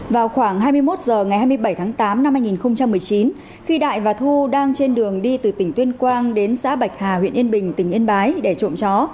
vào khoảng hai mươi một h ngày hai mươi bảy tháng tám năm hai nghìn một mươi chín khi đại và thu đang trên đường đi từ tỉnh tuyên quang đến xã bạch hà huyện yên bình tỉnh yên bái để trộm chó